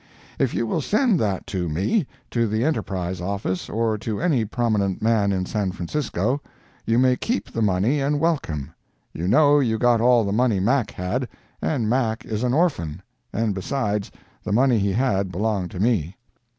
If you will send that to me (to the Enterprise office, or to any prominent man in San Francisco) you may keep the money and welcome. You know you got all the money Mac had—and Mac is an orphan—and besides, the money he had belonged to me.